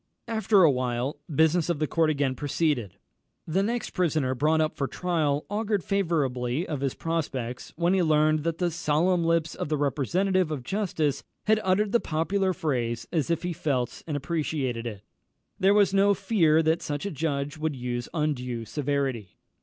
After a while the business of the court again proceeded. The next prisoner brought up for trial augured favourably of his prospects when he learned that the solemn lips of the representative of justice had uttered the popular phrase as if he felt and appreciated it. There was no fear that such a judge would use undue severity.